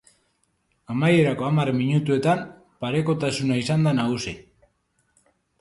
Amaierako hamar minutuetan parekotasuna izan da nagusi.